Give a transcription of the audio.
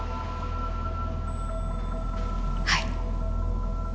はい。